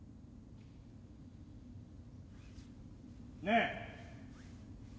ねえ。